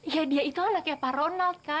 ya dia itu anaknya pak ronald kan